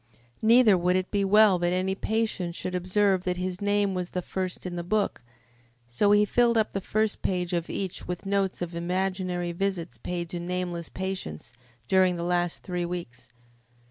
Neither would it be well that any patient should observe that his name was the first in the book, so he filled up the first page of each with notes of imaginary visits paid to nameless patients during the last three weeks.